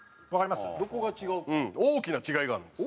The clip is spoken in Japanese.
大きな違いがあるんです。